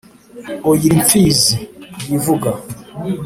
òyir'imfizi, yivuga